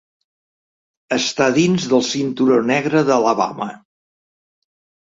Està dins del Cinturó Negre d'Alabama.